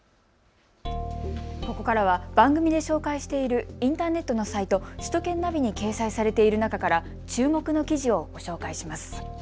ここからは番組で紹介しているインターネットのサイト、首都圏ナビに掲載されている中から注目の記事をご紹介します。